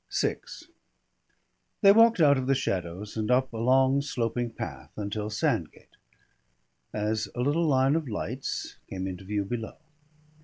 VI They walked out of the shadows and up a long sloping path until Sandgate, as a little line of lights, came into view below.